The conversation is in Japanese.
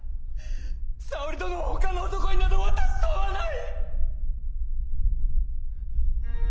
沙織殿をほかの男になど渡しとうはない！